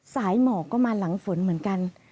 หมอกก็มาหลังฝนเหมือนกัน